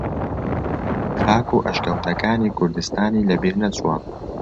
خاک و ئەشکەوتەکانی کوردستانی لە بیر نەچووە